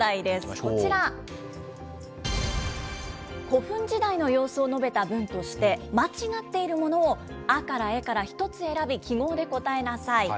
こちら、古墳時代の様子を述べた文として間違っているものをアからエから１つ選び、記号で答えなさい。